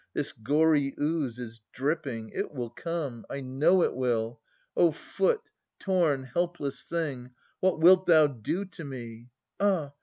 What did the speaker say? This gory ooze is dripping. It will come ! I know it will. O, foot, torn helpless thing. What wilt thou do to me ? Ah